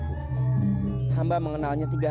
anak muda dimanakah engkau mengenal putri kesayanganku